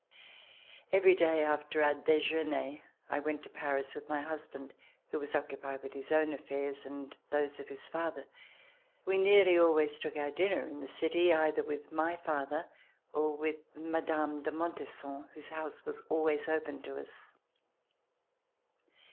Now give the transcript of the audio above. Every day after our dejeuner, I went to Paris with my husband who was occupied with his own affairs and those of his father. We nearly always took our dinner in the city, either with my father or with Mme. de Montesson whose house was always open to us.